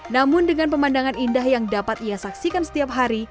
namun dengan pemandangan indah yang dapat ia saksikan setiap hari